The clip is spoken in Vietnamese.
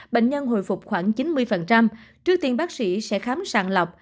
bệnh nhân hồi phục khoảng chín mươi trước tiên bác sĩ sẽ khám sàng lọc